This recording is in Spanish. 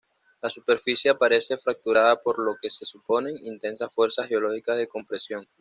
La superficie aparece fracturada por lo que se suponen intensas fuerzas geológicas de compresión.